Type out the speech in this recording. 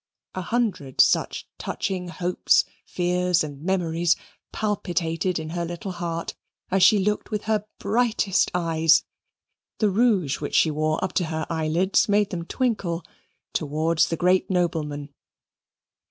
A hundred such touching hopes, fears, and memories palpitated in her little heart, as she looked with her brightest eyes (the rouge which she wore up to her eyelids made them twinkle) towards the great nobleman.